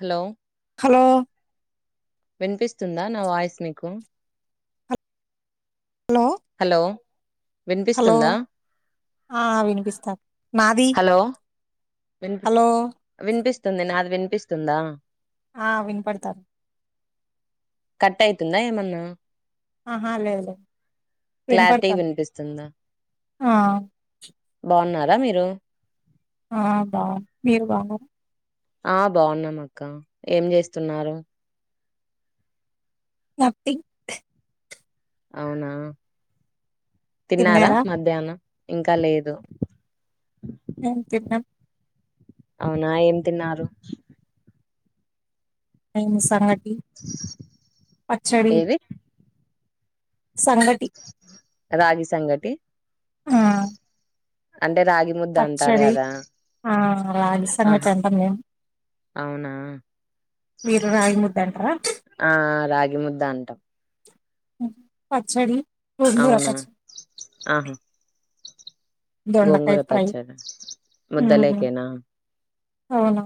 hello hello వినిపిస్తుందా నా voice మీకు హలో హలో హలో వినిపిస్తుందా ఆ వినిపిస్తోంది నాది హలో హలో విస్తుంది నాది వినిపిస్తుందా ఆ వినపడతాంది కట్ అయితుందా ఏమన్నా ఆహా లేదు లేదు క్లారిటీ వినపడుతాంది వినిపిస్తుందా ఆ బాగున్నారా మీరు ఆ బా మీరు బాగునర ఆ బాగున్నాం అక్క ఏం చేస్తున్నారు నథింగ్ అవునా తిన్నారా మధ్యానం ఇంకా లేదు మేము తిన్నాం అవునా ఏం తిన్నారు మేము సంగటి పచ్చడి ఏది సంగటి రాగి సంగటి ఆ అ పచ్చడి ఆ రాగిసంగటి ఆహా అంటం మేము అవునా మీరు రాగి ముద్దంటార ఆ రాగి ముద్ద అంటాం పచ్చడి గోంగూర అవునా పచ్చడి ఆహా దొండకాయ గోంగూర ఫ్రై పచ్చడి ముద్దలేకేనా అవును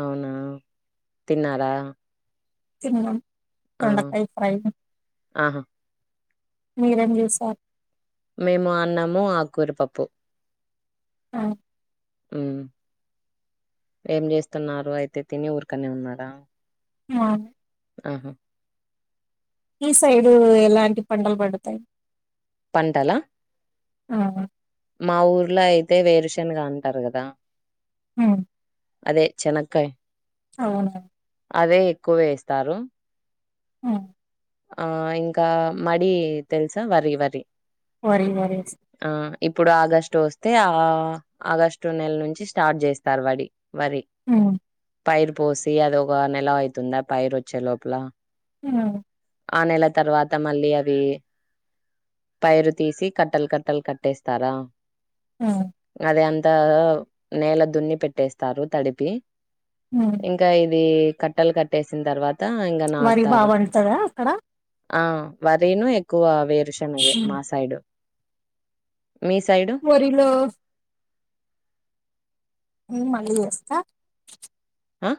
అవునా తిన్నారా తిన్నాం ఆ దొండకాయ ఫ్రై ఆహా మీరేం జేసార్ మేము అన్నము ఆకూరపప్పు ఆ ఉ ఏం చేస్తున్నారు అయితే తిని ఊరికనే ఉన్నారా ఆ ఆహా ఈ సైడు ఎలాంటి పంటలు పడుతాయి పంటలా ఆ హ మా ఊర్లో అయితే వేరుశన్గా అంటారు కదా హ అదే చెనకాయ అవునా అదే ఎక్కువ వేస్తారు ఆ ఆ ఇంకా మడి తెలుసా వరి వరి వరి వరి ఆ ఇప్పుడు ఆగస్టు వస్తే ఆ ఆగస్టు నెల నుంచి స్టార్ట్ చేస్తారు వడి వరి ఉమ్ పైరు పోసి అదొ ఒక నెల అయితుందా పైరు వచ్చే లోపల హ ఆ నెల తర్వాత మళ్ళీ అది పైరు తీసి కట్టలు కట్టలు కట్టేస్తారా ఉమ్ అదే అం త నేల దున్ని పెట్టేస్తారు తడిపి ఉమ్ ఇంకా ఇది కట్టలు కట్టేసిన తర్వా వరి బా వండుతద అక్కడ ఆ వరీను ఎక్కువ వే వేరుశనగే మాసైడు వరిలో మళ్ళీ చేస్తా అ